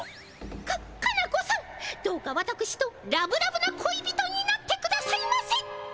カカナ子さんどうかわたくしとラブラブな恋人になってくださいませ！